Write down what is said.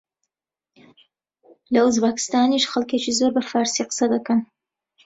لە ئوزبەکستانیش خەڵکێکی زۆر بە فارسی قسە دەکەن